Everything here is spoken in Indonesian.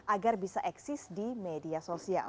agar bisa eksis di media sosial